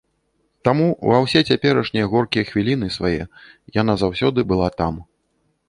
Таму ва ўсе цяперашнія горкія хвіліны свае яна заўсёды была там.